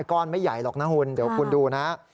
ไม่ใหญ่หรอกนะคุณเดี๋ยวคุณดูนะ